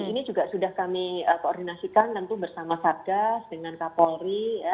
ini juga sudah kami koordinasikan tentu bersama satgas dengan kapolri